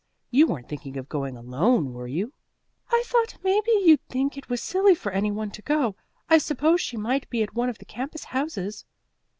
You weren't thinking of going alone, were you?" "I thought maybe you'd think it was silly for any one to go. I suppose she might be at one of the campus houses."